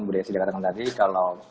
budaya sidikatan tadi kalau